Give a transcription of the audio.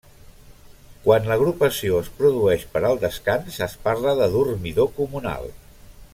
Quan l'agrupació es produeix per al descans es parla de dormidor comunal.